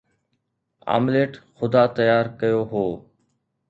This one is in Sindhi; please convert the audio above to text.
آمليٽ خدا تيار ڪيو هو